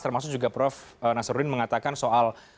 termasuk juga prof nasaruddin mengatakan soal